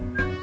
uma dua tiga